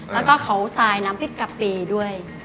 แล้วก็เขาทรายน้ำพริกกะปิด้วย